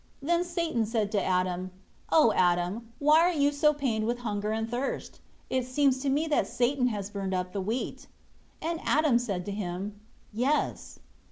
9 Then Satan said to Adam, "O Adam, why are you so pained with hunger and thirst? It seems to me that Satan has burnt up the wheat." And Adam said to him, "Yes."